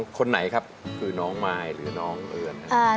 คนไหนครับคือน้องมายหรือน้องเอิญ